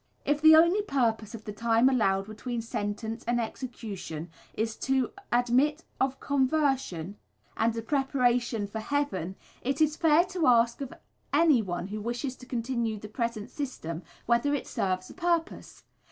If the only purpose of the time allowed between sentence and execution is to admit of conversion and a preparation for heaven, it is fair to ask of anyone who wishes to continue the present system, whether it serves the purpose.